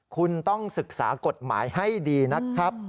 คุณต้องศึกษากฎหมายให้ดีนะครับ